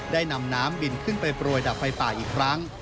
ได้นำน้ำบินขึ้นไปโปรยดับไฟป่าอีกครั้ง